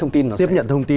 tiếp nhận thông tin